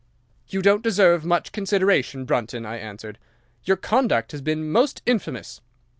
"'"You don't deserve much consideration, Brunton," I answered. "Your conduct has been most infamous.